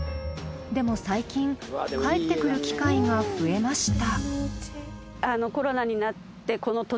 でも最近帰ってくる機会が増えました。